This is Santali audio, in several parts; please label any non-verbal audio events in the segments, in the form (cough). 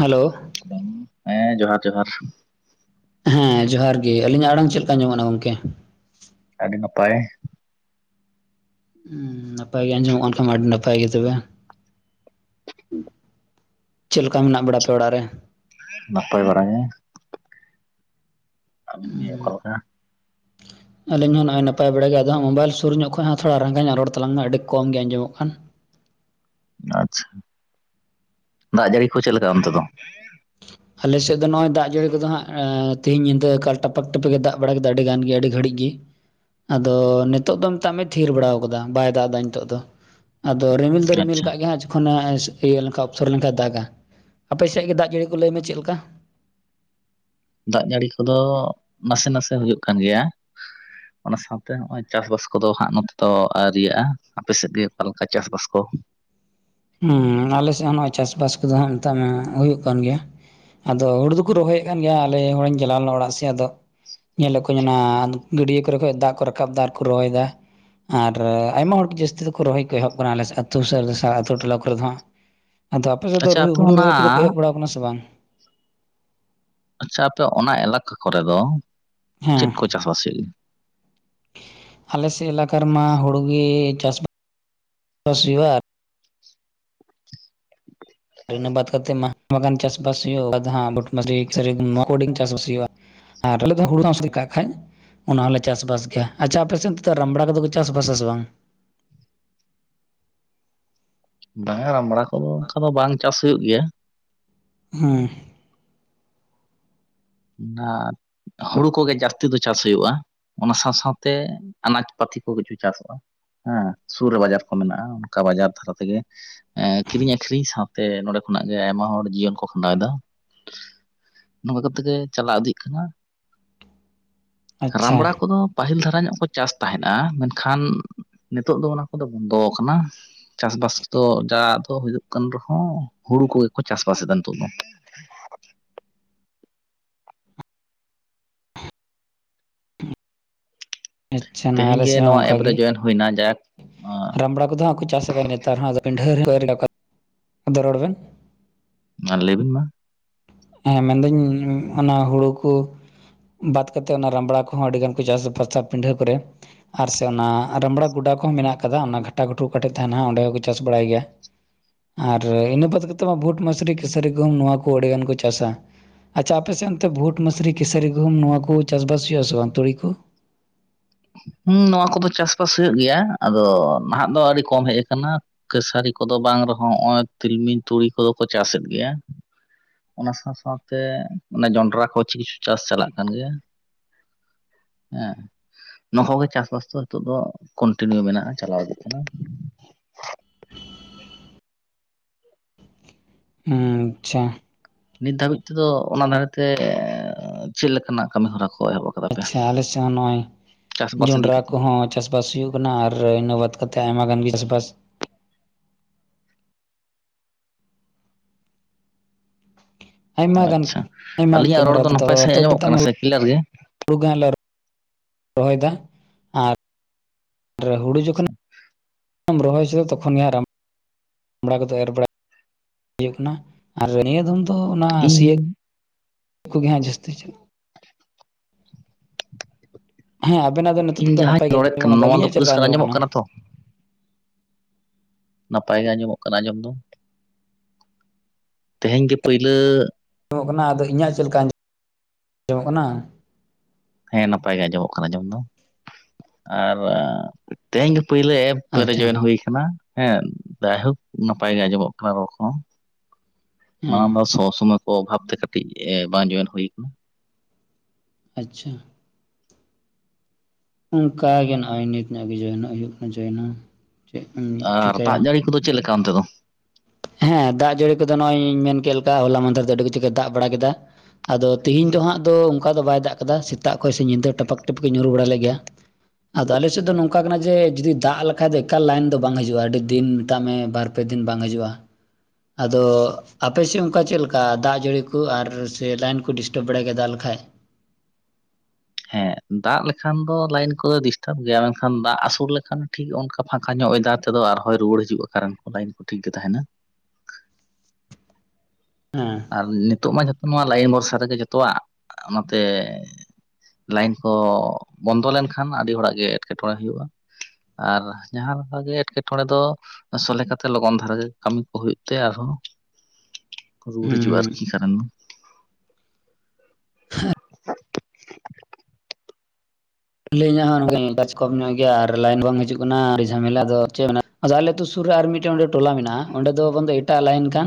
ᱦᱮᱞᱳ ᱦᱮᱸ ᱡᱚᱦᱟᱨ ᱡᱚᱦᱟᱨ ᱦᱮᱸ ᱡᱚᱦᱟᱨ ᱜᱮ ᱟᱹᱞᱤᱧᱟᱜ ᱟᱲᱟᱝ ᱪᱮᱫ ᱞᱮᱠᱟ ᱟᱧᱡᱚᱢᱚᱜ ᱠᱟᱱᱟ ᱜᱚᱝᱠᱮ ᱟᱹᱰᱤ ᱱᱟᱯᱟᱭ ᱦᱩᱸ ᱱᱟᱯᱟᱭ ᱜᱮ ᱟᱸᱚᱢᱚᱜ ᱠᱟᱱ ᱠᱷᱟᱡ ᱢᱟ ᱟᱹᱰᱤᱱᱟᱯᱟᱭ ᱜᱮ ᱛᱚᱵᱮ ᱪᱮᱫᱞᱮᱠᱟ ᱢᱮᱱᱟᱜ ᱵᱟᱲᱟ ᱯᱮ ᱚᱲᱟᱜ ᱨᱮ ᱱᱟᱯᱟᱭ ᱵᱟᱲᱟ ᱜᱮ ᱟᱵᱮᱱ ᱜᱮ ᱚᱠᱟ ᱩᱸ ᱞᱮᱠᱟ (unintelligible) ᱟᱹᱞᱤᱧ ᱦᱚᱸ ᱱᱚᱜᱼᱭ ᱱᱟᱯᱟᱭ ᱵᱟᱲ ᱜᱮ ᱟᱫᱚ ᱦᱟᱜ ᱢᱳᱵᱟᱭᱤᱞ ᱥᱩᱨ ᱧᱚᱜ ᱠᱷᱚᱡ ᱦᱚᱸ ᱛᱷᱚᱲᱟ ᱨᱟᱸᱜᱟᱣ ᱧᱚᱜ ᱨᱚᱲ ᱛᱞᱟᱝᱢᱟ ᱟᱹᱰᱤ ᱠᱚᱢ ᱜᱮ ᱟᱸᱡᱚᱢᱚᱜ ᱠᱟᱱᱟ ᱟᱪᱪᱷᱟ, ᱫᱟᱜ ᱡᱟᱹᱲᱤ ᱠᱚ ᱪᱮᱫ ᱞᱮᱠᱟ ᱚᱱᱛᱮ ᱫᱚ ᱟᱞᱮᱥᱮᱫ ᱫᱚ ᱱᱚᱜ-ᱚᱭ ᱫᱟᱜ ᱡᱟᱹᱲᱤ ᱫᱚ ᱦᱟᱜ ᱛᱮᱦᱮᱧ ᱧᱤᱫᱟᱹ ᱟᱠᱟᱞ ᱴᱟᱯᱟᱠ ᱴᱟᱯᱟᱜ ᱜᱮ ᱫᱟᱜ ᱵᱟᱲᱟ ᱠᱮᱫᱟ ᱟᱹᱰᱤ ᱜᱟᱱ ᱜᱮ ᱟᱹᱰᱤ ᱜᱷᱟᱹᱲᱤᱡ ᱜᱤ, ᱟᱫᱚ ᱱᱤᱛᱚᱜ ᱫᱚ ᱢᱮᱛᱟᱜ ᱢᱮ ᱛᱷᱤᱨ ᱵᱟᱲᱟ ᱠᱟᱫᱟ ᱵᱟᱭ ᱫᱟᱜ ᱮᱫᱟ ᱱᱤᱛᱚᱜ ᱫᱚ ᱟᱫᱚ ᱨᱤᱢᱤᱞ ᱫᱚ ᱨᱤᱢᱤᱞ ᱟᱪᱪᱷᱟ ᱠᱟᱜ ᱜᱮᱭᱟ ᱦᱟᱸᱜ ᱡᱚᱠᱷᱚᱱ ᱤᱭᱟᱹ ᱞᱮ ᱚᱯᱥᱚᱨ ᱞᱮᱱᱠᱷᱟᱱ ᱫᱟᱜᱟ ᱟᱯᱮ ᱥᱮᱫ ᱜᱮ ᱫᱟᱜ ᱡᱟᱹᱲᱤ ᱠᱚ ᱞᱟᱹᱭᱢᱮ ᱪᱮᱫ ᱞᱮᱠᱟ ᱫᱟᱜ ᱡᱟᱹᱲᱤ ᱠᱚᱫᱚ ᱱᱟᱥᱮ ᱱᱟᱥᱮ ᱦᱩᱭᱩᱜ ᱠᱟᱱ ᱜᱮᱭᱟ ᱚᱱᱟ ᱥᱟᱶᱛᱮ ᱱᱚᱜᱼᱚᱭ ᱪᱟᱥᱵᱟᱥ ᱠᱚᱫᱚ ᱦᱟᱸᱜ ᱱᱚᱛᱮ ᱫᱚ ᱟᱹᱨᱤᱭᱟᱹᱜᱼᱟ ᱟᱯᱮ ᱥᱮᱫ ᱜᱮ ᱚᱠᱟᱮᱠᱟ ᱪᱟᱥᱵᱟᱥ ᱠᱚ ᱦᱮᱸ ᱟᱞᱮᱥᱮᱫ ᱦᱚᱸ ᱱᱚᱜᱚᱭ ᱪᱟᱥᱵᱥᱥ ᱠᱚᱫᱚ ᱦᱟᱜ ᱱᱤᱛᱟᱜ ᱦᱩᱭᱩᱜ ᱠᱟᱱ ᱜᱮᱭᱟ ᱟᱫᱚ ᱦᱩᱲᱩ ᱫᱚᱠᱚ ᱨᱚᱦᱚᱭᱮᱫ ᱠᱟᱱ ᱜᱮᱭᱟ ᱟᱞᱮ ᱦᱚᱜᱤᱧ ᱪᱟᱞᱟᱣ ᱞᱮᱱᱟ ᱚᱲᱟᱜ ᱥᱮ ᱟᱫᱚ ᱧᱮᱞᱮᱫ ᱠᱚᱭᱤᱧ ᱚᱱᱟ ᱜᱟᱹᱰᱭᱟᱹ ᱠᱚᱨᱮ ᱠᱷ ᱫᱟᱜ ᱠᱚ ᱨᱟᱠᱟᱵ ᱫᱟ ᱟᱨᱠᱚ ᱨᱚᱦᱚᱭᱮᱫᱟ ᱟᱨ ᱟᱭᱢᱟ ᱦᱚᱲᱟᱜ ᱡᱟᱹᱥᱛᱤ ᱫᱚᱠᱚ ᱨᱚᱦᱚᱭ ᱠᱚ ᱮᱦᱚᱵ ᱟᱠᱟᱱᱟ ᱟᱹᱛᱩ ᱥᱩᱨ ᱟᱛᱳ ᱴᱚᱞᱟ ᱠᱚᱨᱮ ᱫᱚ ᱦᱟᱜ ᱟᱫᱚ ᱟᱯᱮ ᱥᱮᱫ ᱫᱚ ᱟᱪᱪᱷᱟ ᱟᱯᱮ ᱦᱩᱲᱩ ᱚᱱᱟ ᱨᱚᱦᱚᱭ ᱠᱚᱫᱚ ᱠᱚ ᱮᱦᱚᱵ ᱵᱟᱲᱟᱣ ᱟᱠᱟᱱᱟ ᱥᱮ ᱵᱟᱝ ᱟᱪᱪᱷᱟ ᱟᱯᱮ ᱚᱱᱟ ᱮᱞᱟᱠᱟ ᱠᱚᱨᱮ ᱫᱚ ᱦᱮᱸ ᱪᱮᱫ ᱠᱚ ᱪᱟᱥᱵᱟᱥᱮᱫ ᱟᱞᱮᱥᱮᱫ ᱮᱞᱟᱠᱟ ᱨᱮᱢᱟ ᱦᱩᱲᱩ ᱜᱮ ᱪᱟᱥᱵᱟᱥ ᱦᱩᱭᱩᱜᱼᱟ ᱤᱱᱟᱹ ᱵᱟᱫ ᱠᱟᱛᱮ ᱢᱟ ᱪᱟᱥ ᱵᱟᱥ ᱦᱩᱭᱩᱜᱼᱟ ᱵᱴ ᱢᱟᱥᱤᱰᱤ (unintelligible) ᱪᱟᱥ ᱵᱟᱥ ᱦᱩᱭᱩᱜᱼᱟ ᱟᱨ ᱟᱞᱮ ᱫᱚ ᱦᱩᱲᱩ ᱫᱚ ᱱᱟᱥᱮ (unintelligible) ᱠᱟᱜ ᱠᱷᱟᱡ ᱚᱱᱟ ᱦᱚᱸᱞᱮ ᱪᱟᱥᱵᱟᱥ ᱜᱮᱭᱟ ᱟᱪᱪᱷᱟ ᱟᱯᱮᱥᱮᱫ ᱨᱟᱢᱵᱲᱟ ᱠᱚᱫᱚ ᱠᱚ ᱪᱟᱥ ᱵᱟᱥᱵᱟᱥ ᱥᱮ ᱵᱟᱝ ᱵᱟᱝᱟ ᱨᱟᱢᱲᱟ ᱠᱚᱫᱚ ᱚᱱᱠᱟ ᱫᱚ ᱵᱟᱝ ᱪᱟᱥ ᱦᱩᱭᱩᱜ ᱜᱮᱭᱟ ᱦᱮᱸ ᱦ (unintelligible) ᱦᱩᱲᱩ ᱠᱚᱜᱮ ᱡᱟᱹᱥᱛᱤ ᱫᱚ ᱪᱟᱥ ᱦᱩᱭᱩᱜᱼᱟ ᱚᱱᱟ ᱥᱟᱶ ᱥᱟᱶᱛᱮ ᱟᱱᱟᱡ ᱯᱟᱹᱛᱤ ᱠᱤᱪᱩ ᱪᱟᱥᱵᱟᱥ ᱦᱮᱸ ᱥᱩᱨ ᱨᱮ ᱵᱟᱡᱟᱨ ᱠᱚ ᱢᱮᱱᱟᱜᱼᱟ ᱚᱱᱠᱟ ᱵᱟᱡᱟᱨ ᱫᱷᱟᱨᱟ ᱛᱮᱜᱮ ᱮ ᱠᱤᱨᱤᱧ ᱟᱠᱷᱨᱤᱧ ᱥᱟᱶᱛᱮ ᱱᱚᱸᱰᱮ ᱠᱷᱚᱱᱟᱜ ᱜᱮ ᱟᱭᱢᱟ ᱦᱚᱲ ᱡᱤᱭᱚᱱ ᱠᱚ ᱠᱷᱟᱸᱰᱟᱣ ᱮᱫᱟ ᱱᱚᱝ ᱠᱟᱛᱮ ᱜᱮ ᱪᱟᱞᱟᱣ ᱤᱫᱤᱜ ᱠᱟᱱᱟ ᱟᱪᱪᱷᱟ ᱨᱟᱢᱲᱟ ᱠᱚᱫᱚ ᱯᱟᱹᱦᱤᱞ ᱫᱷᱟᱨᱟ ᱧᱚᱜ ᱠᱚ ᱪᱟᱥ ᱛᱟᱦᱮᱫᱱᱟ ᱢᱮᱱᱠᱷᱟᱱ ᱱᱤᱛᱚᱜ ᱫᱚ ᱚᱱᱟ ᱠᱚᱫᱚ ᱵᱚᱱᱫᱚ ᱟᱠᱟᱱᱟ ᱪᱟᱥᱵᱟᱥ ᱫᱚ ᱡᱟ ᱫᱚ ᱦᱩᱭᱩᱜ ᱠᱟᱱ ᱨᱮᱦᱚᱸ ᱦᱩᱲᱩ ᱠᱚᱜᱮ ᱠᱚ ᱪᱟᱥᱵᱟᱥᱮᱫᱟ ᱱᱤᱛᱚᱜ ᱫᱚ ᱟᱪᱪᱷᱟ ᱱᱟ ᱛᱮᱦᱮᱧ ᱟᱞᱮ ᱜᱮ ᱥᱮᱫ ᱦᱚᱸ ᱱᱚᱣᱟ ᱚᱱᱠᱟ ᱮᱯ ᱨᱮ ᱜᱮ ᱡᱚᱭᱮᱱ ᱦᱩᱭ ᱡᱟᱠ ᱨᱟᱢᱲᱟ ᱠᱚᱫᱚ ᱦᱟᱸᱜ ᱠᱚ ᱪᱟᱥ ᱟᱠᱟᱫᱟ ᱱᱮᱛᱟᱨ ᱦᱚᱸ ᱰᱷᱟᱹᱨ ᱨᱚᱲ ᱵᱮᱱ ᱚᱱᱟ ᱞᱟᱹᱭ ᱵᱤᱱ ᱢᱟ ᱦᱮᱸ ᱢᱮᱱᱫᱟᱹᱧ ᱚᱱᱟ ᱦᱩᱲᱩ ᱵᱟᱫ ᱠᱟᱛᱮᱫ ᱚᱱᱟ ᱨᱟᱢᱲᱟ ᱠᱚᱦᱚᱸ ᱟᱹᱰᱤ ᱜᱟᱱ ᱠᱚ ᱪᱟᱥᱵᱟᱥᱟ ᱯᱤᱰᱷᱟᱹ ᱠᱚᱨᱮ ᱟᱨ ᱥᱮ ᱚᱱᱟ ᱨᱟᱢᱵᱽᱲᱟ ᱜᱚᱰᱟ ᱠᱚᱦᱚᱸ ᱢᱮᱱᱟᱜ ᱟᱠᱟᱫᱟ ᱚᱱᱟ ᱜᱷᱟᱴᱟ ᱜᱷᱟᱴᱩ ᱠᱟᱴᱮᱡ ᱛᱟᱦᱮᱱᱟ ᱚᱸᱰᱮ ᱦᱚᱸᱠᱚ ᱪᱟᱥ ᱵᱟᱲᱟᱭ ᱜᱮᱭᱟ ᱟᱨ ᱤᱱᱟᱹ ᱵᱟᱛ ᱠᱟᱛᱮᱫ ᱢᱟ ᱵᱷᱩᱴ ᱢᱟᱥᱨᱤ ᱠᱥᱟᱹᱨᱤ ᱜᱩᱦᱩᱢ ᱱᱚᱣᱟ ᱠᱚ ᱟᱹᱰᱤᱜᱟᱱ ᱠᱚ ᱪᱟᱥᱟ ᱟᱪᱪᱷᱟ ᱟᱯᱮᱥᱮᱫ ᱚᱱᱛᱮ ᱵᱷᱩᱴ ᱢᱟᱥᱨᱤ ᱠᱮᱥᱟᱹᱨᱤ ᱜᱩᱢ ᱱᱚᱣᱟ ᱠᱚ ᱪᱟᱥᱵᱟᱥ ᱦᱩᱭᱩᱜ ᱟ ᱥᱮ ᱵᱟᱝ ᱛᱩᱲᱤ ᱠᱚ ᱦᱩᱸ ᱱᱚᱣᱟ ᱠᱚᱫᱚ ᱪᱟᱥᱵᱟᱥ ᱦᱩᱭᱩᱜ ᱜᱮᱭᱟ ᱟᱫᱚ ᱱᱟᱦᱟᱸᱜ ᱫᱚ ᱟᱹᱰᱤ ᱠᱚᱢ ᱦᱮᱡ ᱟᱠᱟᱱᱟ ᱠᱟᱹᱥᱟᱨᱤ ᱠᱚᱫᱚ ᱵᱟᱝ ᱨᱮᱦᱚᱸ ᱱᱚᱜᱼᱚᱭ ᱛᱤᱞᱢᱤᱧ ᱛᱩᱲᱤ ᱠᱚᱫᱚ ᱠᱚ ᱪᱟᱥᱮᱫ ᱜᱮᱭᱟ ᱚᱱᱟ ᱥᱟᱶ ᱥᱟᱶ ᱛᱮ ᱡᱚᱱᱰᱨᱟ ᱠᱚ ᱪᱤᱥ ᱪᱟᱥ ᱪᱟᱞᱟᱜ ᱠᱟᱱ ᱜᱮᱭᱟ ᱦᱮᱸ ᱱᱚ ᱠᱚᱜᱮ ᱪᱟᱥᱼᱵᱟᱥ ᱫᱚ ᱱᱤᱛᱚᱜ ᱫᱚ ᱠᱚᱱᱴᱤᱱᱤᱭᱩ ᱢᱮᱱᱟᱜᱼᱟ ᱪᱟᱞᱟᱣ ᱤᱫᱤ ᱠᱟᱱᱟ ᱟᱪᱪᱷᱟ ᱱᱤᱛ ᱫᱷᱟᱹᱵᱤᱡ ᱛᱮᱫᱚ ᱚᱱᱟ ᱫᱷᱟᱨᱮ ᱛᱮ ᱪᱮᱫ ᱞᱮᱠᱟᱱᱟᱜ ᱠᱟᱹᱢᱤ ᱦᱚᱨᱟ ᱠᱚ ᱮᱦᱚᱵ ᱟᱠᱟᱱᱟ ᱟᱪᱪᱷᱟ ᱟᱞᱮ ᱥᱮᱫ ᱦᱚᱸ ᱱᱚᱜᱚᱭ ᱪᱟᱥᱵᱟᱥ ᱤᱫᱤ ᱡᱚᱱᱰᱨᱟ ᱠᱟᱛᱮᱜ ᱠᱚᱦᱚᱸ ᱪᱟᱥ ᱪᱟᱥᱵᱟᱥ ᱦᱩᱭᱩᱜ ᱠᱟᱱᱟ ᱟᱨ ᱤᱱᱟᱹ ᱵᱟᱫ ᱠᱟᱛᱮ ᱟᱭᱢᱟ ᱜᱟᱱ ᱜᱮ ᱪᱟᱥᱵᱟᱥ ᱟᱭᱢᱟ ᱜᱟᱱ ᱟᱪᱪᱷᱟ ᱟᱭᱢᱟ ᱟᱹᱞᱤᱧᱟᱜ ᱨᱚᱲ ᱠᱟᱹᱢᱤᱦᱚᱨᱟ ᱫᱚ ᱱᱟᱯᱟᱭ ᱱᱤᱛᱚᱜ ᱥᱟᱺᱦᱤᱡ ᱫᱚ ᱟᱸᱡᱚᱢᱚᱜ ᱢᱮᱛᱟᱜ ᱢᱮ ᱠᱟᱱᱟ ᱥᱮ ᱠᱞᱤᱭᱟᱨ ᱜᱮ ᱦᱩᱲᱩ ᱜᱚᱞᱮ ᱨᱚᱦᱚᱭᱟ ᱟᱨ ᱦᱩᱲᱩ ᱡᱚᱠᱷᱚᱱᱢ ᱨᱚᱦᱚᱭ ᱛᱚᱠᱷᱚᱱ ᱜᱮ ᱟᱨᱟᱢ ᱮᱨ ᱵᱟᱲᱟ ᱦᱩᱭᱩᱜ ᱠᱟᱱᱟ ᱟᱨ ᱱᱤᱭᱟᱹ ᱫᱷᱢ ᱛᱚ ᱚᱱᱟ ᱤᱧ ᱥᱤᱭᱟᱹ ᱠᱚᱜᱮ ᱦᱟᱸᱜ ᱡᱟᱹᱥᱛᱤᱟᱞ (unintelligible) ᱦᱮᱸ ᱟᱵᱮᱱᱟᱜ ᱫᱚ ᱱᱤᱛᱚᱜ ᱤᱧ ᱫᱚ ᱡᱟᱦᱟᱸᱧ ᱱᱟᱯᱟᱭ ᱜᱮ ᱨᱚᱲᱮᱫ ᱟᱸᱡᱚᱢ ᱠᱟᱱᱟ ᱱᱚᱣᱟ ᱫᱚ ᱟᱞᱤᱧᱟᱜ ᱪᱮᱫ ᱞᱮᱠᱟ ᱯᱚᱨᱤᱥᱠᱟᱨ ᱟᱸᱚᱢᱚᱜ ᱟᱸᱡᱚᱢᱚᱜ ᱠᱟᱱᱟ ᱛᱚ ᱱᱟᱯᱟᱭ ᱜᱮ ᱟᱸᱡᱚᱢᱚᱜ ᱠᱟᱱᱟ ᱟᱸᱡᱚᱢ ᱫᱚ ᱛᱮᱦᱮᱧ ᱜᱮ ᱯᱩᱭᱞᱟᱹ ᱚᱜ ᱠᱟᱱᱟ ᱟᱫᱚ ᱤᱧᱟᱹᱜ ᱪᱮᱫ ᱞᱮᱠᱟ ᱟᱸᱡᱚᱢᱚᱜ ᱠᱟᱱᱟ ᱦᱮᱸ ᱱᱟᱯᱟᱭ ᱜᱮ ᱟᱸᱡᱚᱢᱚᱜ ᱠᱟᱱᱟ ᱟᱸᱡᱚᱢ ᱫᱚ ᱟᱨ ᱛᱮᱦᱮᱧ ᱜᱮ ᱯᱳᱭᱞᱳ ᱮᱯ ᱯ ᱨᱮ ᱟᱪᱪᱷᱟ ᱡᱚᱭᱚᱱ ᱦᱩᱭ ᱠᱟᱱᱟ ᱦᱮᱸ ᱡᱟᱭᱦᱳᱠ ᱱᱟᱯᱟᱭ ᱜᱮ ᱟᱸᱡᱚᱢᱚᱜ ᱠᱟᱱᱟ ᱨᱚᱲ ᱠᱚᱦᱚᱸ ᱦᱮᱸ ᱢᱟᱲᱟᱝ ᱫᱚ ᱥᱚᱵ ᱥᱚᱢᱚᱭ ᱠᱚ ᱚᱵᱷᱟᱵᱛᱮ ᱠᱟᱹᱴᱤᱡ ᱵᱟᱝ ᱡᱚᱭᱮᱱ ᱦᱩᱭ ᱟᱠᱟᱱᱟ ᱟᱪᱪᱷᱟ ᱚᱱᱠᱟ ᱜᱮ ᱱᱚᱜᱼᱚᱭ ᱱᱤᱛ ᱧᱚᱜ ᱜᱮ ᱡᱚᱭᱚᱱᱚᱜ ᱦᱩᱭᱩᱜ ᱠᱟᱱᱟ ᱡᱚᱭᱮᱱᱚ ᱟᱨ ᱫᱟᱜ ᱡᱟᱹᱲᱤ ᱠᱚᱫᱚ ᱪᱮᱫ ᱞᱮᱠᱟ ᱚᱱᱛᱮ ᱫᱚ ᱦᱮᱸ ᱫᱟᱜ ᱡᱟᱹᱲᱤ ᱠᱚᱫᱚ ᱱᱚᱜᱼᱚᱭ ᱞᱤᱧ ᱢᱮᱱ ᱠᱮ ᱞᱮᱠᱟ ᱦᱚᱞᱟ ᱢᱟᱦᱫᱷᱮᱨ ᱫᱚ ᱟᱹᱰᱤ ᱠᱤᱪᱷᱩᱮ ᱫᱟᱜ ᱵᱟᱲᱟ ᱠᱮᱫᱟ ᱟᱫᱚ ᱛᱮᱦᱤᱧ ᱫᱚ ᱦᱟᱸᱜ ᱫᱚ ᱚᱱᱠᱟ ᱫᱚ ᱵᱟᱭ ᱫᱟᱜ ᱠᱟᱫᱟ ᱥᱮᱛᱟᱜ ᱠᱷᱚᱱ ᱥᱮ ᱧᱤᱫᱟᱹ ᱴᱟᱯᱟᱠ ᱴᱩᱯᱩᱠ ᱧᱩᱨᱩ ᱵᱟᱲᱟ ᱞᱮᱫ ᱜᱮᱭᱟ ᱟᱫᱚ ᱟᱞᱮ ᱥᱮᱫ ᱫᱚ ᱱᱚᱝᱠᱟ ᱠᱟᱱᱟ ᱡᱮ ᱡᱩᱫᱤ ᱫᱟᱜ ᱞᱮᱠᱷᱟᱡ ᱫᱚ ᱮᱠᱟᱞ ᱞᱟᱭᱤᱱ ᱫᱚ ᱵᱟᱝ ᱦᱤᱡᱩᱜᱼᱟ ᱟᱹᱰᱤ ᱫᱤᱱ ᱢᱮᱛᱟᱜ ᱢᱮ ᱵᱟᱨ ᱯᱮ ᱫᱤᱱ ᱵᱟᱝ ᱦᱤᱡᱩᱜᱼᱟ ᱟᱫᱚ ᱟᱯᱮ ᱥᱮᱫ ᱚᱱᱠᱟ ᱪᱮᱫ ᱞᱮᱠᱟ ᱫᱟᱜ ᱡᱟᱹᱲᱤ ᱠᱚ ᱟᱨ ᱥᱮ ᱞᱟᱭᱤᱱ ᱠᱚ ᱰᱤᱥᱴᱟᱵ ᱵᱟᱲᱟᱭ ᱜᱮᱭᱟ ᱫᱟᱜ ᱞᱮᱠᱷᱟᱡ ᱦᱮᱸ ᱫᱟᱜ ᱞᱮᱠᱷᱟᱱ ᱫᱚ ᱞᱟᱭᱤᱱ ᱠᱚᱫᱚ ᱰᱤᱥᱴᱟᱵ ᱜᱮᱭᱟ ᱢᱮᱱᱠᱷᱟᱱ ᱫᱟᱜ ᱟᱥᱳᱲ ᱞᱮᱠᱷᱟᱱ ᱴᱷᱤᱠ ᱚᱱᱠᱟ ᱯᱷᱟᱠ ᱠᱷᱟᱧᱚᱜ ᱫᱟ ᱛᱮ ᱫᱚ ᱟᱨᱦᱚᱸᱚᱭ ᱨᱩᱣᱟᱹᱲ ᱦᱤᱡᱩᱜᱼᱟ ᱠᱟᱨᱚᱱ ᱞᱟᱭᱤᱱ ᱠᱚ ᱴᱷᱤᱠ ᱜᱮ ᱛᱟᱦᱮᱸᱱᱟ ᱦᱩᱸ ᱟᱨ ᱱᱤᱛᱚᱜ ᱢᱟ ᱡᱚᱛᱚ ᱢᱟ ᱞᱟᱭᱤᱱ ᱵᱷᱚᱨᱥᱟ ᱨᱮᱜᱮ ᱡᱚᱛᱚᱣᱼᱟᱜ ᱚᱱᱟᱛᱮ ᱞᱟᱭᱤᱱ ᱠᱚ ᱵᱚᱱᱫᱚ ᱞᱮᱱᱠᱷᱟᱱ ᱟᱹᱰᱤ ᱦᱚᱲᱟᱜ ᱜᱮ ᱮᱸᱴᱠᱮᱴᱚᱬᱮ ᱦᱩᱭᱩᱜᱼᱟ ᱟᱨ ᱡᱟᱦᱟᱸ ᱞᱮᱠᱟ ᱜᱮ ᱮᱸᱴᱠᱮᱴᱚᱬᱮ ᱫᱚ ᱥᱚᱞᱮ ᱠᱟᱛᱮ ᱞᱚᱜᱚᱱ ᱫᱷᱟᱨᱟ ᱜᱮ ᱠᱟᱹᱢᱤ ᱠᱚ ᱦᱩᱭᱩᱜ ᱛᱮ ᱟᱨᱦᱚᱸ ᱨᱩᱣᱟᱹᱲ ᱦᱤᱡᱩᱜᱼᱟ ᱟᱨᱠᱤ ᱦᱩᱸ ᱠᱟᱨᱮᱱ ᱞᱟᱹᱭ ᱤᱧᱚᱜ ᱦᱚᱸ ᱱᱚᱝᱠᱟ ᱜᱮ ᱪᱟᱪ ᱠᱚᱢ ᱧᱚᱜ ᱜᱮᱭᱟ ᱟᱨ ᱞᱟᱭᱤᱱ ᱵᱟᱝ ᱦᱤᱡᱩᱜ ᱠᱟᱱᱟ ᱟᱹᱰᱤ ᱡᱷᱟᱢᱮᱞᱟ ᱫᱚ ᱪᱮ ᱢᱮᱱᱟ ᱟᱫᱚ ᱟᱞᱮ ᱟᱹᱛᱩ ᱥᱩᱨ ᱨᱮ ᱟᱨ ᱢᱤᱫᱴᱟᱝ ᱚᱸᱰᱮ ᱴᱚᱞᱟ ᱢᱮᱱᱟᱜᱼᱟ ᱚᱸᱰᱮ ᱫᱚ ᱮᱴᱟᱜ ᱞᱟᱭᱤᱱ ᱠᱟᱱ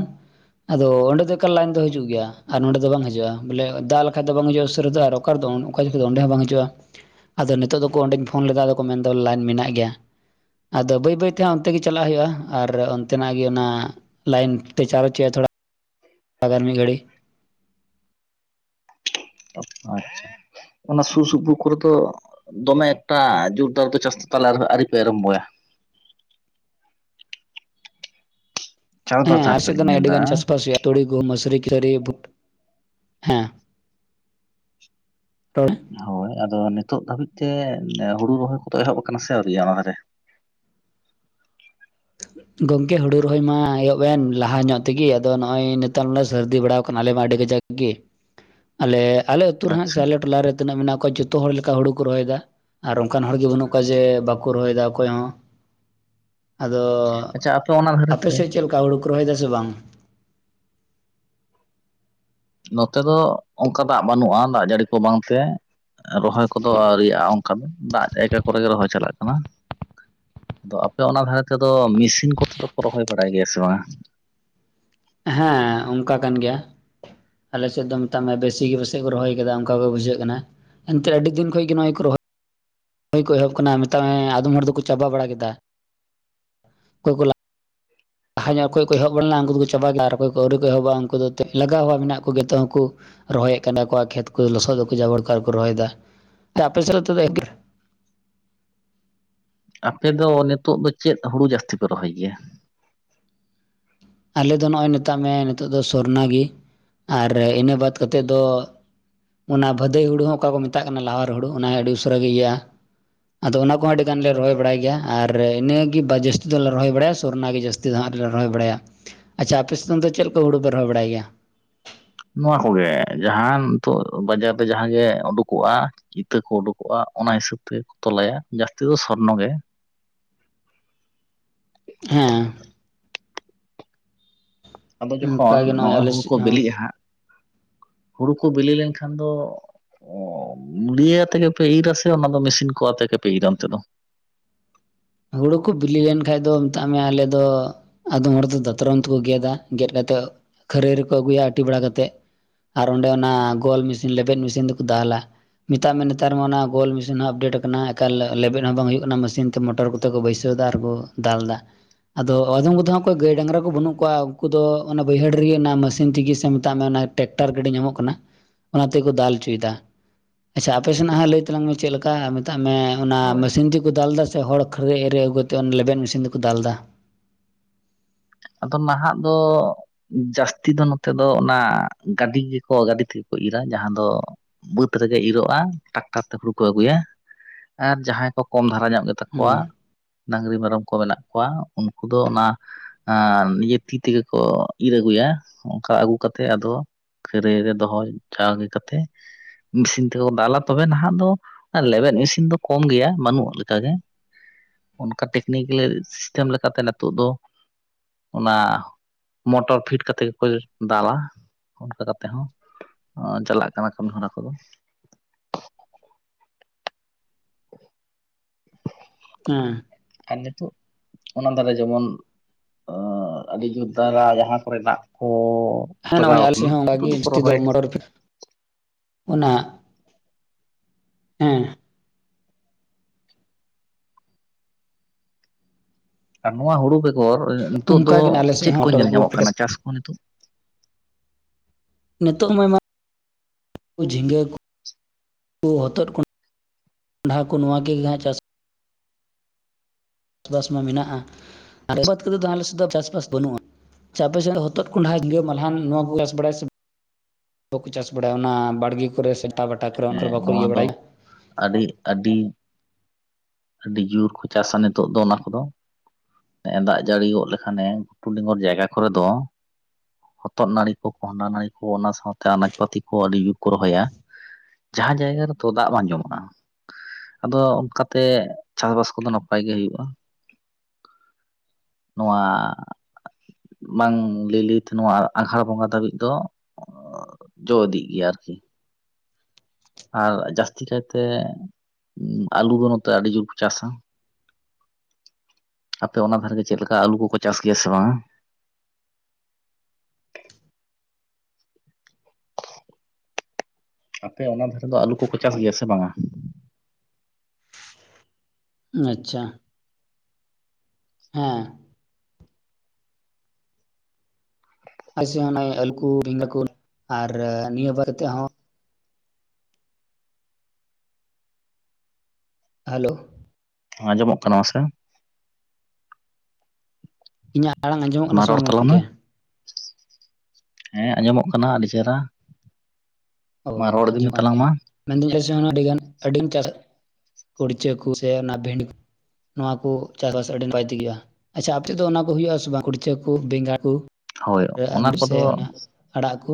ᱟᱫᱚ ᱚᱸᱰᱮ ᱫᱚ ᱮᱠᱟᱞ ᱞᱟᱭᱤᱱ ᱫᱚ ᱦᱤᱡᱩᱜ ᱜᱮᱭᱟ ᱟᱨ ᱱᱚᱸᱰᱮ ᱫᱚ ᱵᱟᱝ ᱦᱤᱡᱩᱜᱼᱟ ᱵᱚᱞᱮ ᱫᱟᱜ ᱞᱮᱠᱷᱟᱡ ᱫᱚ ᱵᱟᱝ ᱦᱤᱡᱩᱜᱼᱟ ᱩᱥᱟᱹᱨᱟ ᱠᱟᱨ ᱫᱚ ᱚᱠᱟ ᱡᱚᱠᱷᱟᱹ ᱫᱚ ᱚᱸᱰᱮ ᱦᱚᱸ ᱵᱟᱝ ᱦᱤᱡᱩᱜᱼᱟ ᱟᱫᱚ ᱱᱤᱛᱚᱜ ᱫᱚᱠᱚ ᱚᱸᱰᱮᱧ ᱯᱷᱳᱱ ᱞᱮᱫᱟ ᱟᱫᱚ ᱠᱚ ᱢᱮᱱᱫᱟ ᱞᱟᱭᱤᱱ ᱢᱮᱱᱟᱜ ᱜᱮᱭᱟ ᱟᱫᱚ ᱵᱟᱹᱭ ᱵᱟᱹᱭ ᱛᱮ ᱚᱱᱛᱮ ᱜᱮ ᱪᱟᱞᱟᱜ ᱦᱩᱭᱩᱜᱼᱟ ᱟᱨ ᱚᱱᱛᱮᱱᱟᱜ ᱜᱮ ᱚᱱᱟ ᱞᱟᱭᱤᱱ ᱛᱮ ᱪᱟᱨᱚᱪ ᱦᱳᱭᱳᱜᱼᱟ ᱛᱷᱚᱲᱟ ᱟᱜᱟᱨ ᱢᱤ ᱜᱟᱹᱲᱤ ᱟᱪᱪᱷᱟ ᱚᱱᱟ ᱥᱩᱨ ᱥᱩᱯᱩᱨ ᱠᱚᱨᱮ ᱫᱚ ᱫᱚᱢᱮ ᱮᱠᱴᱟ ᱡᱳᱨᱫᱟᱨ ᱫᱚ ᱪᱟᱥ ᱛᱚᱞᱟ ᱟᱹᱣᱨᱤᱯᱮ ᱟᱨᱚᱢᱵᱚᱭᱟ ᱪᱟᱥᱵᱟᱥ ᱦᱮᱸ ᱟᱨᱮ ᱫᱷᱟᱨᱮ ᱥᱮᱫ ᱫᱚ ᱛᱮᱞᱤᱧ ᱟᱹᱰᱤ ᱢᱮᱱᱫᱟ ᱜᱟᱱ ᱪᱟᱥᱵᱟᱥ ᱦᱩᱭᱩᱜᱼᱟ ᱛᱩᱲᱤ ᱜᱳ ᱢᱚᱥᱩᱨᱤ ᱠᱮᱥᱟᱹᱨᱤ ᱵᱷᱩᱴ ᱦᱮᱸ ᱦᱚᱭ ᱟᱫᱚ ᱱᱤᱛᱚᱜ ᱫᱷᱟᱹᱵᱤᱡ ᱛᱮ ᱦᱩᱲᱩ ᱨᱚᱦᱚᱭ ᱠᱚᱫᱚ ᱮᱦᱚᱵ ᱟᱠᱟᱱᱟ ᱥᱮ ᱟᱹᱣᱨᱤᱭᱟ ᱚᱱᱟ ᱫᱷᱟᱨᱮ ᱦ (unintelligible) ᱜᱚᱝᱠᱮ ᱦᱩᱲᱩ ᱨᱚᱦᱚᱭ ᱢᱟ ᱮᱦᱚᱵ ᱮᱱ ᱞᱟᱦᱟ ᱧᱚᱜ ᱛᱮᱜᱤ ᱟᱫᱚ ᱱᱚᱜᱼᱚᱭ ᱱᱮᱛᱟᱨ ᱱᱚᱮ ᱥᱟᱹᱨᱫᱤ ᱵᱟᱲᱟᱣ ᱟᱠᱟᱱᱟ ᱟᱞᱮᱢᱟ ᱟᱹᱰᱤ ᱠᱟᱡᱟᱠ ᱜᱤ ᱟᱞᱮ ᱟᱞᱮ ᱟᱹᱛᱩ ᱨᱮᱦᱟᱸᱜ ᱟᱪᱪᱷᱟ ᱥᱮ ᱟᱞᱮ ᱴᱚᱞᱟᱨᱮ ᱛᱤᱱᱟᱹᱜ ᱢᱮᱱᱟᱜ ᱠᱚᱣᱟ ᱡᱚᱛᱚ ᱦᱚᱲ ᱞᱮᱠᱟ ᱦᱩᱲᱩ ᱠᱚ ᱨᱚᱦᱚᱭ ᱮᱫᱟ ᱟᱨ ᱚᱱᱠᱟᱱ ᱦᱚᱲᱜᱮ ᱵᱟᱹᱱᱩᱜ ᱠᱚᱣᱟ ᱡᱮ ᱵᱟᱠᱚ ᱨᱚᱦᱚᱭ ᱮᱫᱟ ᱚᱠᱚᱭ ᱦᱚᱸ ᱟᱫᱚ ᱟᱪᱪᱷᱟ ᱟᱯᱮ ᱚᱱᱟ ᱫᱷᱟᱨᱮ ᱟᱯᱮ ᱛᱮ ᱥᱮᱫ ᱪᱮᱫ ᱞᱮᱠᱟ ᱦᱩᱲᱩ ᱠᱚ ᱨᱚᱦᱚᱭᱮᱫᱟ ᱥᱮ ᱵᱟᱝ ᱱᱚᱛᱮ ᱫᱚ ᱚᱱᱠᱟ ᱫᱟᱜ ᱵᱟᱹᱱᱩᱜᱼᱟ ᱫᱟᱜ ᱡᱟᱹᱲᱤ ᱠᱚ ᱵᱟᱝ ᱛᱮ ᱨᱚᱦᱚᱭ ᱠᱚᱫᱚ ᱟᱹᱣᱨᱤᱭᱟᱜᱼᱟ ᱚᱱᱠᱟ ᱫᱚ ᱫᱟᱜ ᱡᱟᱭᱜᱟ ᱠᱚᱨᱮ ᱜᱮ ᱨᱚᱦᱚᱭ ᱪᱟᱞᱟᱜ ᱠᱟᱱᱟ ᱟᱫᱚ ᱟᱯᱮ ᱚᱱᱟ ᱫᱷᱟᱨᱮ ᱛᱮᱫᱚ ᱢᱤᱥᱤᱱ ᱠᱚᱛᱮ ᱫᱚ ᱠᱚ ᱨᱚᱦᱚᱭ ᱵᱟᱰᱟᱭ ᱜᱮᱭᱟ ᱥᱮ ᱵᱟᱝᱟ ᱦᱮᱸ ᱚᱱᱠᱟ ᱠᱟᱱ ᱜᱮᱭᱟ ᱟᱞᱮ ᱥᱮᱫ ᱫᱚ ᱢᱮᱛᱟᱜ ᱢᱮ ᱵᱮᱥᱤ ᱜᱮ ᱯᱟᱥᱮᱡ ᱠᱚ ᱨᱚᱦᱚᱭ ᱟᱠᱟᱫᱟ ᱚᱱᱠᱟ ᱜᱮ ᱵᱩᱡᱷᱟᱹᱜ ᱠᱟᱱᱟ ᱮᱱᱛᱮ ᱟᱹᱰᱤ ᱫᱤᱱ ᱠᱷᱚᱡ ᱜᱮ ᱱᱚᱣᱟ ᱜᱮᱠᱚ ᱨᱚᱦ ᱚᱠᱚᱭ ᱠᱚ ᱮᱦᱚᱵ ᱠᱟᱱᱟ ᱢᱮᱛᱟᱜ ᱢᱮ ᱟᱫᱚᱢ ᱦᱚᱲ ᱫᱚᱠᱚ ᱪᱟᱵᱟ ᱵᱟᱲᱟ ᱠᱮᱫᱟ ᱚᱠᱚᱭ ᱠᱚ ᱞᱟᱦᱟ ᱧᱚᱜ ᱚᱠᱚᱭ ᱠᱚ ᱮᱦᱚᱵ ᱞᱮᱱᱟ ᱩᱱᱠᱩ ᱫᱚᱠᱚ ᱪᱟᱵᱟ ᱠᱮᱫᱟ ᱟᱨ ᱚᱠᱚᱭ ᱠᱚ ᱟᱹᱣᱨᱤ ᱠᱚ ᱮᱦᱚᱵᱚᱜᱼᱟ ᱩᱱᱠᱩ ᱫᱚ ᱞᱟᱜᱟᱣᱟ ᱢᱮᱱᱟᱜ ᱠᱚ ᱜᱮᱛᱚ ᱩᱱᱠᱩ ᱨᱚᱦᱚᱭᱮᱫ ᱠᱟᱱᱟ ᱠᱚ ᱠᱷᱮᱛ ᱠᱚ ᱞᱚᱥᱚᱫᱟᱠᱚ ᱡᱟᱵᱚᱨ ᱠᱚ ᱨᱮᱠᱚ ᱨᱚᱦᱚᱭᱮᱫᱟ ᱟᱯᱮ ᱥᱮᱫᱟᱜ ᱛᱮᱫᱚ ᱮᱠ (inaudible) ᱟᱯᱮ ᱫᱚ ᱱᱤᱛᱚᱜ ᱫᱚ ᱪᱮᱫ ᱦᱩᱲᱩ ᱡᱟᱹᱥᱛᱤ ᱯᱮ ᱨᱚᱦᱚᱭ ᱜᱮᱭᱟ ᱟᱞᱮ ᱫᱚ ᱱᱚᱜᱼᱚᱭ ᱢᱮᱛᱟᱜ ᱢᱮ ᱱᱤᱛᱚᱜ ᱫᱚ ᱥᱚᱨᱱᱟ ᱜᱮ ᱟᱨ ᱤᱱᱟᱹ ᱵᱟᱫᱽ ᱠᱟᱛᱮᱫ ᱫᱚ ᱚᱱᱟ ᱵᱟᱹᱫᱟᱹᱭ ᱦᱳᱲᱩ ᱦᱚᱸ ᱚᱠᱟ ᱠᱚ ᱢᱮᱛᱟᱜ ᱠᱟᱱᱟ ᱞᱟᱣᱟᱨ ᱦᱩᱲᱩ ᱚᱱᱟ ᱦᱚᱸ ᱟᱹᱰᱤ ᱩᱥᱟᱹᱨᱟ ᱜᱮ ᱤᱭᱟᱹᱜᱼᱟ ᱟᱫᱚ ᱚᱱᱟ ᱠᱚᱦᱚᱸ ᱟᱹᱰᱤ ᱜᱟᱱ ᱞᱮ ᱨᱚᱦᱚᱭ ᱵᱟᱲᱟᱭ ᱜᱮᱭᱟ ᱟᱨ ᱤᱱᱟᱹ ᱜᱮ ᱵᱟ ᱡᱟᱹᱥᱛᱤ ᱫᱚᱞᱮ ᱨᱚᱦᱚᱭ ᱵᱟᱲᱟᱭᱟ ᱥᱚᱨᱱᱟ ᱜᱮ ᱡᱟᱹᱥᱛᱤ ᱛᱤ ᱫᱚ ᱦᱟᱸᱜ ᱫᱚᱞᱮ ᱨᱚᱦᱚᱭ ᱵᱟᱲᱟᱭᱟ ᱟᱪᱪᱷᱟ ᱟᱯᱮᱥᱮᱫ ᱫᱚ ᱪᱮᱫ ᱠᱚ ᱦᱩᱲᱩ ᱯᱮ ᱨᱚᱦᱚᱭ ᱵᱟᱲᱟᱭ ᱜᱮᱭᱟ ᱱᱚᱣᱟ ᱠᱚᱜᱮ ᱡᱟᱦᱟᱸ ᱱᱤᱛᱚᱜ ᱵᱟᱡᱟᱨ ᱨᱮ ᱡᱟᱦᱟᱸ ᱜᱮ ᱩᱰᱩᱠᱚᱜᱼᱟ ᱤᱛᱟᱹ ᱠᱚ ᱩᱰᱩᱠᱚᱜᱼᱟ ᱚᱱᱟ ᱦᱤᱥᱟᱹᱵ ᱛᱮᱜᱮ ᱠᱚ ᱛᱚᱞᱟᱭᱟ ᱡᱟᱹᱥᱛᱤ ᱫᱚ ᱥᱚᱨᱱᱚ ᱜᱮ ᱦᱮᱸ ᱟᱫᱚ ᱡᱚᱠᱷᱚᱱ ᱚᱱᱠᱟᱜᱮ ᱱᱚᱜᱼᱚᱭ ᱟᱞᱮ ᱦᱩᱲᱩ ᱠᱚ ᱥᱮᱫ ᱦᱚᱸ ᱵᱤᱞᱤᱜᱼᱟ ᱦᱟᱸᱜ ᱦᱩᱲᱩ ᱠᱚ ᱵᱤᱞᱤ ᱞᱮᱱ ᱠᱷᱟᱱ ᱫᱚ ᱚ ᱢᱩᱞᱤᱭᱟᱹ ᱟᱛᱮ ᱜᱮᱯᱮ ᱤᱨᱟ ᱥᱮ ᱚᱱᱟ ᱫᱚ ᱢᱤᱥᱤᱱ ᱠᱚ ᱟᱛᱮ ᱜᱮᱯᱮ ᱤᱨᱟ ᱚᱱᱛᱮ ᱫᱚ ᱦᱩᱲᱩ ᱠᱚ ᱵᱤᱞᱤ ᱞᱮᱱ ᱠᱷᱟᱡ ᱫᱚ ᱢᱮᱛᱟᱜ ᱢᱮ ᱟᱞᱮ ᱫᱚ ᱟᱫᱚᱢ ᱦᱚᱲ ᱫᱚ ᱫᱟᱛᱨᱚᱢ ᱛᱮᱠᱚ ᱜᱮᱫᱟ ᱜᱮᱫ ᱠᱟᱛᱮᱫ ᱠᱷᱟᱹᱨᱟᱹᱭ ᱨᱮᱠᱚ ᱟᱹᱜᱩᱭᱟ ᱟᱹᱴᱤ ᱵᱟᱲᱟ ᱠᱟᱛᱮᱫ ᱟᱨ ᱚᱸᱰᱮ ᱚᱱᱟ ᱜᱳᱞ ᱢᱤᱥᱤᱱ ᱞᱮᱵᱮᱫ ᱢᱤᱥᱤᱱ ᱛᱮᱠᱚ ᱫᱟᱞᱟ ᱢᱮᱛᱟᱜ ᱢᱮ ᱱᱮᱛᱟᱨ ᱢᱟ ᱚᱱᱟ ᱜᱳᱞ ᱢᱤᱥᱤᱱ ᱦᱚᱸ ᱟᱯᱰᱮᱴ ᱟᱠᱟᱱᱟ ᱮᱠᱟᱞ ᱞᱮᱵᱮᱫ ᱦᱚᱸ ᱵᱟᱝ ᱦᱩᱭᱩᱜ ᱠᱟᱱᱟ ᱢᱟᱥᱤᱱ ᱛᱮ ᱢᱚᱴᱚᱨ ᱠᱚ ᱛᱮ ᱠᱚ ᱵᱷᱟᱹᱭᱥᱣᱫᱟ ᱟᱨ ᱠᱚ ᱫᱟᱞᱫᱟ ᱟᱫᱚ ᱟᱫᱷᱚᱢ ᱠᱚᱫᱚ ᱚᱠᱚᱭ ᱜᱟᱹᱭ ᱰᱟᱝᱨᱟ ᱠᱚ ᱵᱟᱹᱱᱩᱜ ᱠᱚᱣᱟ ᱩᱱᱠᱩ ᱫᱚ ᱚᱱᱟ ᱵᱟᱹᱭᱦᱟᱹᱲ ᱨᱮᱜᱮ ᱚᱱᱟ ᱢᱟᱥᱤᱱ ᱛᱮᱜᱮ ᱥᱮ ᱢᱮᱛᱟᱜ ᱢᱮ ᱚᱱᱟ ᱴᱮᱠᱴᱟᱨ ᱜᱟᱹᱰᱤ ᱧᱟᱢᱚᱜ ᱠᱟᱱᱟ ᱚᱱᱟ ᱛᱮᱠᱚ ᱫᱟᱞ ᱚᱪᱚᱭᱮᱫᱟ ᱟᱪᱪᱷᱟ ᱟᱯᱮ ᱥᱮᱱᱟᱜ ᱦᱟᱸᱜ ᱞᱟᱹᱭ ᱛᱟᱞᱟᱝ ᱢᱮ ᱪᱮᱫ ᱞᱮᱠᱟ ᱢᱮᱛᱟᱜ ᱢᱮ ᱚᱱᱟ ᱦᱳᱭ ᱢᱟᱥᱤᱱ ᱛᱤᱜᱤ ᱠᱚ ᱫᱟᱞ ᱮᱫᱟ ᱥᱮ ᱦᱚᱲ ᱠᱷᱟᱹᱨᱟᱹᱭ ᱮᱨᱮ ᱟᱹᱜᱩ ᱠᱟᱛᱮᱫ ᱚᱱᱮ ᱞᱮᱵᱮᱫ ᱢᱤᱥᱤᱱ ᱛᱮᱠᱚ ᱫᱟᱞᱫᱟ ᱟᱫᱚ ᱱᱟᱦᱟᱜ ᱫᱚ ᱡᱟᱹᱥᱛᱤ ᱫᱚ ᱱᱚᱛᱮ ᱫᱚ ᱚᱱᱟ ᱜᱟᱹᱰᱤ ᱜᱮᱠᱚ ᱜᱟᱹᱰᱤ ᱛᱤᱜᱤ ᱠᱚ ᱤᱨᱟ ᱡᱟᱦᱟᱸ ᱫᱚ ᱵᱟᱹᱫᱽ ᱨᱮᱜᱮ ᱤᱨᱚᱜᱼᱟ ᱴᱟᱠᱴᱟᱨ ᱛᱮ ᱦᱩᱲᱩ ᱠᱚ ᱟᱹᱜᱩᱭᱟ ᱟᱨ ᱡᱟᱦᱟᱸᱭ ᱠᱚ ᱠᱚᱢ ᱫᱷᱟᱨᱟ ᱧᱚᱜ ᱜᱮ ᱛᱟᱠᱚᱣᱟ ᱦᱮᱸ ᱰᱟᱝᱨᱤ ᱢᱮᱨᱚᱢ ᱠᱚ ᱢᱮᱱᱟᱜ ᱠᱚᱣᱟ ᱩᱱᱠᱩ ᱫᱚ ᱚᱱᱟ ᱟᱱ ᱤᱭᱟᱹ ᱛᱤ ᱛᱮᱜᱮ ᱠᱚ ᱤᱨ ᱟᱹᱜᱩᱭᱟ ᱚᱱᱠᱟ ᱟᱹᱜᱩ ᱠᱟᱛᱮ ᱟᱫᱚ ᱠᱷᱟᱹᱨᱟᱹᱭ ᱨᱮ ᱫᱚᱦᱚᱭ ᱡᱟᱣᱜᱮ ᱠᱟᱛᱮ ᱢᱤᱥᱤᱱ ᱛᱮᱠᱚ ᱫᱟᱞᱟ ᱛᱚᱵᱮ ᱱᱟᱦᱟᱜ ᱫᱚ ᱞᱮᱵᱮᱫ ᱢᱤᱥᱤᱱ ᱫᱚ ᱠᱚᱢ ᱜᱮᱭᱟ ᱵᱟᱹᱱᱩᱜ ᱞᱮᱠᱟ ᱜᱮ ᱚᱱᱠᱟ ᱴᱮᱠᱱᱤᱠᱮᱞᱮ ᱥᱤᱥᱴᱟᱢ ᱞᱮᱠᱟᱛᱮ ᱱᱤᱛᱚᱜ ᱫᱚ ᱚᱱᱟ ᱢᱚᱴᱚᱨ ᱯᱷᱤᱴ ᱠᱟᱛᱮ ᱜᱮᱠᱚ ᱫᱟᱞᱟ ᱚᱱᱠᱟ ᱠᱟᱛᱮ ᱦᱚᱸ ᱚᱸ ᱪᱟᱞᱟᱜ ᱠᱟᱱᱟ ᱠᱟᱹᱢᱤ ᱦᱚᱨᱟ ᱠᱚᱫᱚ (unintelligible) ᱦᱮᱸ ᱟᱨ ᱱᱤᱛᱚᱜ ᱚᱱᱟ ᱫᱟᱨᱮ ᱡᱮᱢᱚᱱ ᱟᱹᱰᱤ ᱡᱳᱨ ᱫᱟᱨᱟ ᱡᱟᱦᱟᱸ ᱠᱚᱨᱮ ᱫᱟᱜ ᱠᱚ ᱦᱮᱸ ᱱᱚᱜᱼᱚᱭ ᱞᱟᱜᱟᱣ ᱟᱞᱤ ᱟᱠᱟᱱᱟ ᱥᱤᱫ ᱦᱚᱸ ᱚᱝᱠᱟ ᱱᱤᱛᱚᱜ ᱜᱮ ᱫᱚᱠᱚ ᱡᱟᱹᱥᱛᱤ ᱫᱚ ᱨᱚᱦᱚᱭᱮᱫ ᱢᱚᱴᱚᱨ ᱚᱱᱟ ᱮᱸ ᱟᱨ ᱱᱚᱣᱟ ᱦᱩᱲᱩ ᱵᱮᱜᱚᱨ ᱱᱤᱛᱚᱜ ᱫᱚ ᱚᱱᱠᱟ ᱜᱮ ᱟᱞᱮ ᱥᱮᱫ ᱪᱮᱫ ᱦᱚᱸ ᱠᱚ ᱢᱚᱴᱚᱨ ᱧᱮᱞ ᱧᱟᱢᱚᱜ ᱠᱟᱱᱟ ᱪᱟᱥ ᱠᱚ ᱱᱤᱛᱚᱜ ᱱᱤᱛᱚᱜ ᱢᱟ ᱟᱭᱢᱟ (inaudible) (inaudible) ᱡᱷᱤᱸᱜᱟᱹ ᱠᱚ ᱦᱚᱛᱚᱫ ᱠᱚ (inaudible) ᱠᱚᱰᱷᱟ ᱠᱚ ᱱᱚᱣᱟ ᱜᱮ ᱜᱮᱦᱟᱸᱜ ᱪᱟᱥ ᱪᱟᱥᱵᱟᱥ ᱢᱟ ᱢᱮᱱᱟᱜᱼᱟ ᱟᱨᱮᱵᱟᱫ ᱠᱟᱛᱮᱫ ᱫᱚ ᱟᱞᱮ ᱥᱮᱫ ᱫᱚ ᱪᱟᱥᱵᱟᱥ ᱵᱟᱹᱱᱩᱜᱼᱟ ᱪᱟ ᱟᱯᱮᱥᱮᱫ ᱦᱚᱛᱚᱫ ᱠᱚᱸᱰᱷᱟ (unintelligible) ᱢᱟᱞᱦᱟᱱ ᱱᱚᱣᱟ ᱠᱚ ᱪᱟᱥ ᱵᱟᱲᱟᱭᱟ ᱥᱮ ᱵᱟᱠᱚ ᱪᱟᱥ ᱵᱟᱲᱟᱭᱟ ᱚᱱᱟ ᱵᱟᱲᱜᱮ ᱠᱚᱨᱮ ᱥᱮ ᱴᱟᱵᱟᱴᱟ ᱠᱚᱨᱮ ᱚᱱᱟ ᱦᱮᱸ ᱠᱚᱨᱮ ᱵᱟᱠᱚ ᱱᱚᱣᱟ ᱤᱭᱟᱹ ᱫᱚ ᱵᱟᱲᱟᱭᱟ ᱟᱹᱰᱤ ᱟᱹᱰᱤ ᱟᱹᱰᱤ ᱡᱩᱨ ᱠᱚ ᱪᱟᱥᱟ ᱱᱤᱛᱚᱜ ᱫᱚ ᱚᱱᱟ ᱠᱚᱫᱚ ᱱᱮᱜᱼᱮ ᱫᱟᱜ ᱡᱟᱹᱲᱤ ᱜᱚᱫ ᱞᱮᱠᱷᱟᱱᱮ ᱜᱷᱩᱴᱩ ᱰᱮᱸᱜᱚᱨ ᱡᱟᱭᱜᱟ ᱠᱚᱨᱮ ᱫᱚ ᱦᱚᱛᱚᱫ ᱱᱟᱹᱲᱤ ᱠᱚ ᱠᱚᱸᱦᱰᱟ ᱱᱟᱹᱲᱤ ᱠᱚ ᱚᱱᱟ ᱥᱟᱶᱛᱮ ᱟᱱᱟᱡᱽ ᱯᱟᱹᱛᱤ ᱠᱚ ᱟᱹᱰᱤ ᱜᱤ ᱠᱚ ᱨᱚᱦᱚᱭᱟ ᱡᱟᱦᱟᱸ ᱡᱟᱭᱜᱟ ᱨᱮᱫᱚ ᱫᱟᱜ ᱵᱟᱝ ᱡᱚᱢᱚᱜᱼᱟ ᱟᱫᱚ ᱚᱱᱠᱟ ᱛᱮ ᱛᱮ ᱪᱟᱥᱵᱟᱥ ᱠᱚᱫᱚ ᱱᱟᱯᱟᱭ ᱜᱮ ᱦᱩᱭᱩᱜᱼᱟ ᱱᱚᱣᱟ ᱵᱟᱝ ᱞᱟᱹᱭ ᱞᱟᱹᱭ ᱛᱮ ᱱᱚᱣᱟ ᱟᱸᱜᱷᱟᱲ ᱵᱚᱸᱜᱟ ᱫᱷᱟᱹᱵᱤᱡ ᱫᱚ ᱡᱚ ᱤᱫᱤᱜ ᱜᱮᱭᱟ ᱟᱨᱠᱤ ᱟᱨ ᱡᱟᱹᱥᱛᱤ ᱠᱟᱭᱛᱮ ᱟᱹᱞᱩ ᱫᱚ ᱱᱚᱛᱮ ᱟᱹᱰᱤ ᱡᱳᱨ ᱠᱚ ᱪᱟᱥᱟ ᱟᱯᱮ ᱚᱱᱟ ᱫᱷᱟᱨᱮ ᱜᱮ ᱪᱮᱫ ᱞᱮᱠᱟ ᱟᱹᱞᱩ ᱠᱚᱠᱚ ᱪᱟᱥ ᱜᱮᱭᱟ ᱥᱮ ᱵᱟᱝᱟ ᱟᱯᱮ ᱚᱱᱟ ᱫᱷᱟᱨᱮ ᱫᱚ ᱟᱹᱞᱩ ᱠᱚᱠᱚ ᱪᱟᱥ ᱜᱮᱭᱟ ᱥᱮ ᱵᱟᱝᱼᱟ ᱟᱪᱪᱷᱟ ᱦᱮᱸ ᱟᱪᱪᱷᱟ ᱚᱱᱟ ᱟᱹᱞᱩᱠᱩ ᱵᱮᱸᱜᱟ ᱠᱚ ᱟᱨ ᱱᱤᱭᱟᱹ ᱵᱟᱨ ᱛᱮ ᱦᱚᱸ ᱦᱮᱞᱳ ᱟᱸᱡᱚᱢᱚᱜ ᱠᱟᱱᱟ ᱥᱮ ᱤᱧᱟᱹᱜ ᱟᱲᱟᱝ ᱟᱸᱡᱚᱢᱚᱜ ᱠᱟᱱᱟ ᱢᱟ ᱥᱮ ᱨᱚᱲ ᱵᱟᱝ ᱛᱟᱞᱟᱝ ᱢᱮ ᱜᱚᱝᱠᱮ ᱦᱮᱸ ᱟᱸᱡᱚᱢᱚᱜ ᱠᱟᱱᱟ ᱟᱹᱰᱤ ᱪᱮᱦᱨᱟ ᱢᱟ ᱨᱚᱲ ᱤᱫᱤ ᱢᱮ ᱛᱟᱞᱟᱝ ᱢᱟ ᱢᱮᱱᱫᱧ (unintelligible) (unintelligible) ᱠᱩᱲᱪᱟᱹ ᱠᱚ ᱥᱮ ᱚᱱᱟ ᱠᱷᱮᱱᱰ (unintelligible) ᱱᱚᱣᱟ ᱠᱩ ᱪᱟᱥᱵᱟᱥ ᱟᱹᱰᱤ ᱱᱟᱯᱟᱭ ᱛᱮᱜᱳᱼᱟ ᱟᱪᱪᱷᱟ ᱟᱯᱮᱥᱮᱫ ᱫᱚ ᱚᱱᱟ ᱠᱚ ᱦᱩᱭᱩᱜᱼᱟ ᱥᱮ ᱵᱟᱝ ᱠᱩᱲᱪᱟᱹ ᱠᱩ, ᱵᱮᱸᱜᱟᱲ ᱠᱚ ᱦᱳᱭ ᱚᱱᱟ (unintelligible) ᱥᱮ ᱠᱚᱫᱚ ᱚᱱᱟ ᱟᱲᱟᱜ ᱠᱚ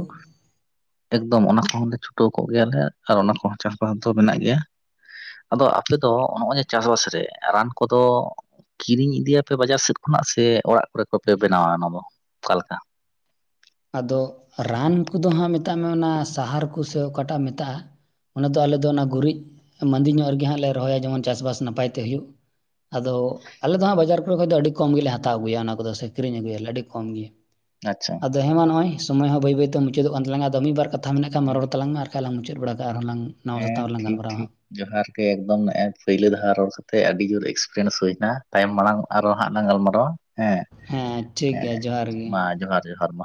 ᱮᱠᱫᱚᱢ ᱚᱱᱟ ᱠᱚᱦᱚᱸᱞᱮ ᱪᱷᱩᱴᱟᱹᱣ ᱠᱚᱜ ᱜᱮᱭᱟᱞᱮ ᱟᱨ ᱚᱱᱟ ᱠᱚᱦᱚᱸ ᱪᱟᱥᱵᱟᱥ ᱫᱚ ᱢᱮᱱᱟᱜ ᱜᱮᱭᱟ ᱟᱫᱚ ᱟᱯᱮ ᱫᱚ ᱱᱚᱜᱼᱚᱭ ᱡᱮ ᱪᱟᱥᱵᱟᱥ ᱨᱮ ᱨᱟᱱ ᱠᱚᱫᱚ ᱠᱤᱨᱤᱧ ᱤᱫᱤᱭᱟᱯᱮ ᱵᱟᱡᱟᱨ ᱥᱮᱫ ᱠᱷᱚᱱᱟᱜ ᱥᱮ ᱚᱲᱟᱜ ᱠᱚᱨᱮ ᱠᱚᱯᱮ ᱵᱮᱱᱟᱣᱟ ᱚᱱᱟᱫᱚ ᱚᱠᱟᱞᱮᱠᱟ ᱟᱫᱚ ᱨᱟᱱ ᱠᱚᱫᱚ ᱦᱟᱸᱜ ᱢᱮᱛᱟᱜ ᱢᱮ ᱚᱱᱟ ᱥᱟᱦᱟᱨ ᱠᱚᱥᱮ ᱚᱠᱟᱴᱟᱜ ᱮᱢ ᱢᱮᱛᱟᱜᱼᱟ ᱚᱱᱟ ᱫᱚ ᱟᱞᱮᱫᱚ ᱚᱱᱟ ᱜᱩᱨᱤᱡ ᱢᱟᱸᱫᱤ ᱧᱚᱜ ᱨᱮᱜᱮ ᱦᱟᱸᱜ ᱞᱮ ᱨᱚᱦᱚᱭᱟ ᱡᱮᱢᱚᱱ ᱪᱟᱥᱵᱟᱥ ᱱᱟᱯᱟᱭ ᱛᱮ ᱦᱩᱭᱩᱜ ᱟᱫᱚ ᱟᱞᱮ ᱫᱚ ᱦᱟᱸᱜ ᱵᱟᱡᱟᱨ ᱠᱚᱨᱮ ᱠᱷᱚᱱ ᱫᱚ ᱟᱹᱰᱤ ᱠᱚᱢ ᱜᱮᱞᱮ ᱦᱟᱛᱟᱣ ᱟᱹᱜᱩᱭᱟ ᱚᱱᱟ ᱠᱚᱫᱚ ᱥᱮ ᱠᱤᱨᱤᱧ ᱟᱹᱜᱩᱭᱟᱞᱮ ᱟᱹᱰᱤ ᱠᱚᱢ ᱜᱮ ᱟᱪᱪᱷᱟ ᱟᱫᱚ ᱦᱮᱸ ᱢᱟ ᱱᱚᱜᱼᱚᱭ ᱥᱚᱢᱚᱭ ᱦᱚᱸ ᱵᱟᱹᱭ ᱵᱟᱹᱭᱛᱮ ᱢᱩᱪᱟᱹᱫᱚᱜ ᱠᱟᱱ ᱛᱟᱞᱟᱝᱟ ᱟᱫᱚ ᱢᱤᱜ ᱵᱟᱨ ᱠᱟᱛᱷᱟ ᱢᱮᱱᱟᱜ ᱠᱷᱟᱱ ᱦᱮᱸ ᱢᱟ ᱨᱚᱲ ᱛᱞᱟᱝ ᱢᱮ ᱟᱨ ᱠᱷᱟᱡᱞᱟᱝ ᱢᱩᱪᱟᱹᱫ ᱵᱟᱲᱟ ᱠᱟᱜᱼᱟ ᱟᱨᱦᱚᱸ ᱞᱟᱝ ᱱᱟᱣᱟ ᱦᱮᱸ ᱥᱟᱛᱟᱢ ᱨᱮᱞᱟᱝ ᱴᱷᱤᱠ ᱜᱟᱞᱢᱟᱨᱣᱟᱼᱟ ᱦᱟᱸᱜ ᱴᱷᱤᱠ ᱡᱚᱦᱟᱨ ᱜᱮ ᱮᱠᱫᱚᱢ ᱮᱸ ᱯᱟᱹᱭᱞᱳ ᱫᱷᱟᱣ ᱨᱚᱲ ᱠᱟᱛᱮᱜ ᱟᱹᱰᱤ ᱡᱳᱨ ᱮᱠᱥᱯᱨᱤᱭᱮᱱᱥ ᱦᱩᱭᱱᱟ ᱛᱟᱭᱚᱢ ᱢᱟᱲᱟᱝ ᱟᱨᱚ ᱦᱟᱸᱜ ᱞᱟᱝ ᱜᱟᱞᱢᱟᱨᱟᱣᱟ ᱦᱮᱸ ᱦᱮᱸ ᱴᱷᱤᱠ ᱦᱮᱸ ᱜᱮᱭᱟ ᱡᱚᱦᱟᱨ ᱜᱮ ᱢᱟ ᱡᱚᱦᱟᱨ ᱡᱚᱦᱟᱨ ᱢᱟ